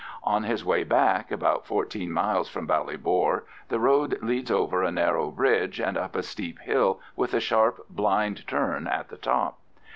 On his way back, about fourteen miles from Ballybor, the road leads over a narrow bridge and up a steep hill with a sharp blind turn at the top.